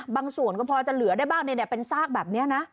บางส่วนก็พอจะเหลือได้บ้างเป็นซากแบบนี้นะ